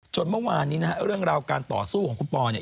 เมื่อวานนี้นะฮะเรื่องราวการต่อสู้ของคุณปอเนี่ย